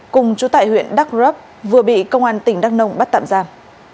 cùng chú tại huyện đắk rấp vừa bị công an tỉnh đắk nông bắt tạm giam